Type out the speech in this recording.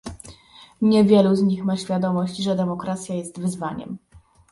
Niewielu z nich ma świadomość, że demokracja jest wyzwaniem